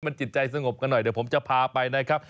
มันจิตใจสงบกันหน่อยเดี๋ยวผมจะพาไปนะครับ